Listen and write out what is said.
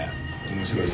面白い。